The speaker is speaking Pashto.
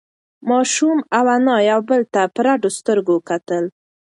ماشوم او انا یو بل ته په رډو سترگو کتل.